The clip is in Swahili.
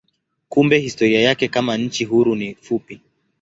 Kumbe historia yake kama nchi huru ni fupi.